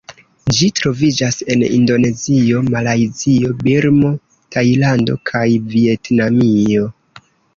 Ĝi troviĝas en Indonezio, Malajzio, Birmo, Tajlando kaj Vjetnamio.